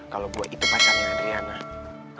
kalo gua itu pacarnya adriana